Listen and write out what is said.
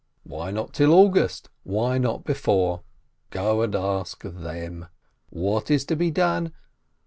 Why not till August? Why not before? Go and ask them. What is to be done?